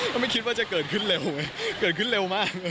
ไม่คิดว่าจะเกิดขึ้นเร็วไงเกิดขึ้นเร็วมาก